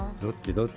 どっち？